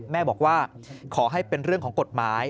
แม่บอกว่าขอให้เป็นเรื่องของกฎหมาย